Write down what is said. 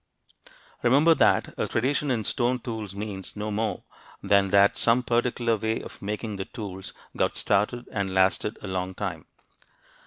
Remember that a tradition in stone tools means no more than that some particular way of making the tools got started and lasted a long time.